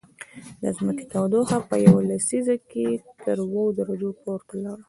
د ځمکې تودوخه په یوه لسیزه کې تر اووه درجو پورته لاړه